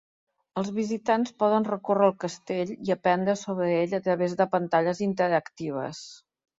Els visitants poden recórrer el castell i aprendre sobre ell a través de pantalles interactives.